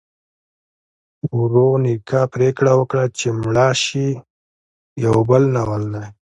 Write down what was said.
ورونیکا پریکړه وکړه چې مړه شي یو بل ناول دی.